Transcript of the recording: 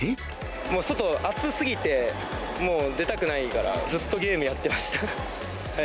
もう外、暑すぎてもう、出たくないから、ずっとゲームやってました。